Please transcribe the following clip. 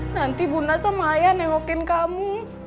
nanti bunda semaya nengokin kamu